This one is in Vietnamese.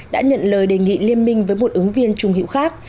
đã nhận lời đề nghị liên minh với một ứng viên trung hữu khác